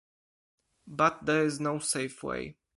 But there is no safe way.